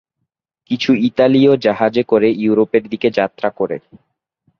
কিছু ইতালীয় জাহাজে করে ইউরোপের দিকে যাত্রা করে।